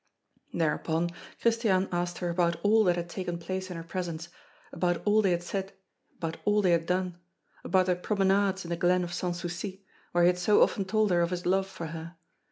Thereupon, Christiane asked her about all that had taken place in her presence, about all they had said, about all they had done, about their promenades in the glen of Sans Souci, where he had so often told her of his love for her.